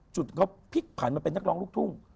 จุดเขาพลิกผันมาเป็นนักร้องลูกทุ่ง